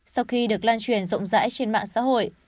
sau khi được lan truyền rộng rãi trên mạng xã hội